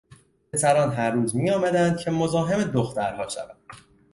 پسران هر روز میآمدند که مزاحم دخترها شوند.